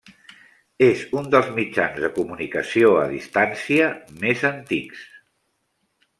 És un dels mitjans de comunicació a distància més antics.